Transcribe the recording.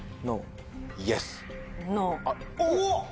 おっ！